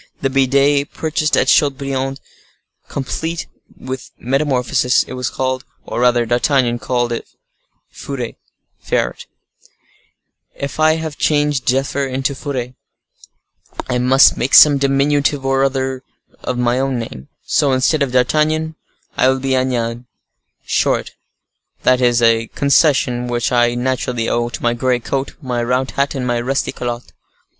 The bidet purchased at Chateaubriand completed the metamorphosis; it was called, or rather D'Artagnan called if, Furet (ferret). "If I have changed Zephyr into Furet," said D'Artagnan, "I must make some diminutive or other of my own name. So, instead of D'Artagnan, I will be Agnan, short; that is a concession which I naturally owe to my gray coat, my round hat, and my rusty calotte."